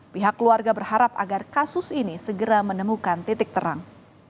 pihak keluarga berharap agar kasus ini segera menemukan titik terang